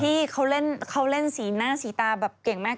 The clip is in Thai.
ที่เขาเล่นสีหน้าสีตาแบบเก่งมาก